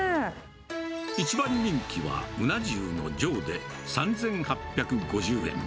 一番人気はうな重の上で３８５０円。